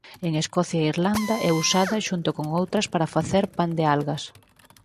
En Escocia e Irlanda é usada xunto con outras para facer pan de algas.